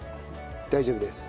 大丈夫です。